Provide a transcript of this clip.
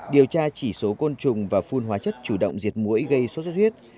điều tra chỉ số côn trùng và phun hóa chất chủ động diệt mũi gây sốt xuất huyết